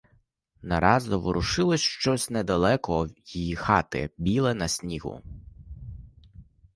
Нараз заворушилось щось недалеко її хати біле на снігу.